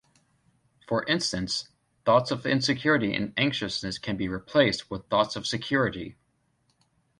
For instance, thoughts of insecurity and anxiousness can be replaced with thoughts of security.